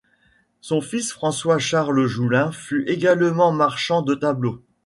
Son fils François-Charles Joullain fut également marchand de tableaux.